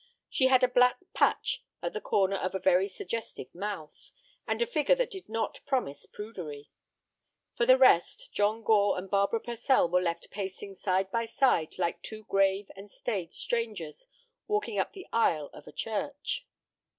She had a black patch at the corner of a very suggestive mouth, and a figure that did not promise prudery. For the rest, John Gore and Barbara Purcell were left pacing side by side like two grave and staid strangers walking up the aisle of a church.